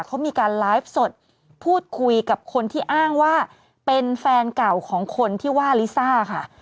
เขามีการไลฟ์สดพูดคุยกับคนที่อ้างว่าเป็นแฟนเก่าของคนที่ว่าลิซ่าค่ะ